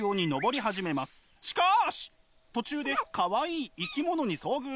しかし途中でかわいい生き物に遭遇！